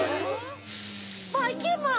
ばいきんまん！